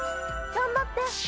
頑張って！